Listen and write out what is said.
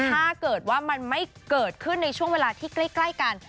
ถ้าเกิดว่ามันไม่เกิดขึ้นในช่วงเวลาที่ใกล้กัน